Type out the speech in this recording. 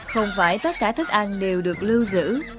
không phải tất cả thức ăn đều được lưu giữ